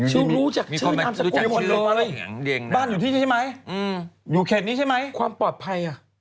รู้จากชื่อนามสกุลหมดเลยบ้านอยู่ที่นี่ใช่ไหมอยู่เขตนี้ใช่ไหมความปลอดภัยอ่ะ